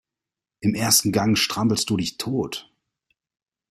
Im ersten Gang strampelst du dich tot.